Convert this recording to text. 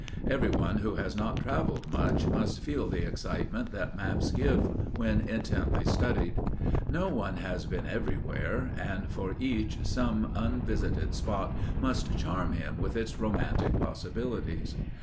Everyone who has not travelled much must feel the excitement that maps give when intently studied. No one has been everywhere, and for each some unvisited spot must charm him with its romantic possibilities.